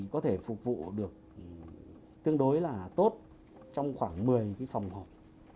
có thể phục vụ được tương đối là tốt trong khoảng một mươi phòng học